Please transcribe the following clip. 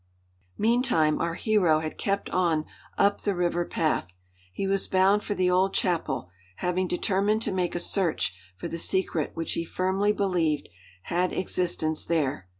Meantime our hero had kept on up the river path. He was bound for the old chapel, having determined to make a search for the secret which he firmly believed had existence there.